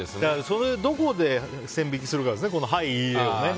それをどこで線引きするかですね。